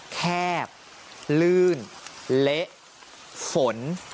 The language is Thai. แคบลื่นเละฝน